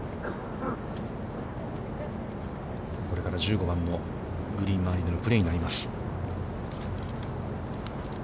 これから１５番のグリーン周りでのプレーになります。